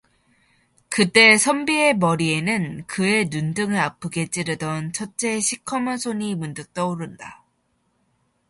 그때 선비의 머리에는 그의 눈등을 아프게 찌르던 첫째의 시커먼 손이 문득 떠오른다.